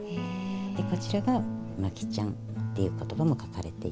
こちらが「牧チャン」っていう言葉も書かれていて。